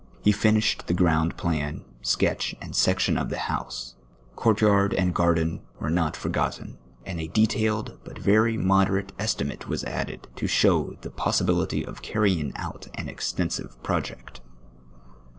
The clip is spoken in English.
He finished the gi omid plan, sketch, and section of the house ; court yai'd and garden were not forgotten, and a detaik'd but verv moderate estimate was added, to show the possibility of can ying out an extensive project.